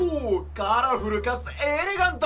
カラフルかつエレガント！